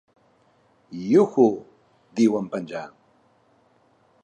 Iuhu! —diu en penjar.